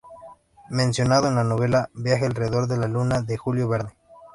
Mencionado en la novela "Viaje alrededor de la Luna" de Julio Verne.